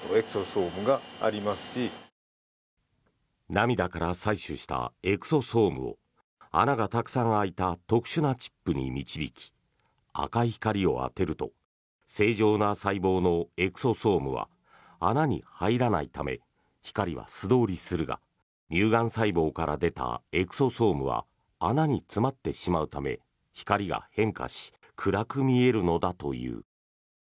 涙から採取したエクソソームを穴がたくさん開いた特殊なチップに導き赤い光を当てると正常な細胞のエクソソームは穴に入らないため光は素通りするが乳がん細胞から出たエクソソームは穴に詰まってしまうため光が変化し暗く見えるのだという。